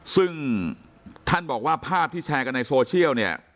ซึ่งท่านบอกว่าภาพที่แชร์กันในโซเชียลเนี่ย